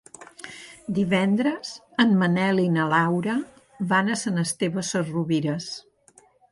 Divendres en Manel i na Laura van a Sant Esteve Sesrovires.